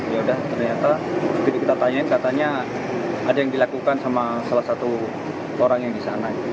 ya udah ternyata begitu kita tanyain katanya ada yang dilakukan sama salah satu orang yang di sana